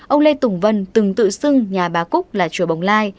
ông lê tùng vân từng tự xưng nhà bà cúc là chùa bồng lai